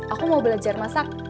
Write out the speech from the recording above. aku mau belajar masak